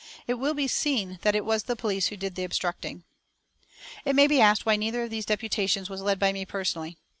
It will be seen that it was the police who did the obstructing. It may be asked why neither of these deputations was led by me personally.